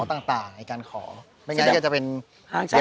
ชื่องนี้ชื่องนี้ชื่องนี้ชื่องนี้ชื่องนี้ชื่องนี้